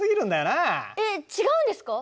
えっ違うんですか？